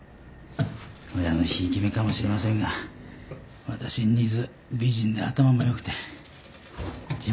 親のひいき目かもしれませんが私に似ず美人で頭も良くて自慢の娘です。